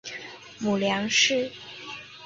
母梁氏。